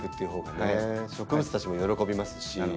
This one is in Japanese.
植物たちも喜びますし。